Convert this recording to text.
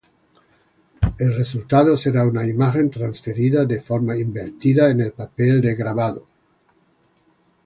El resultado será una imagen transferida de forma invertida en el papel de grabado.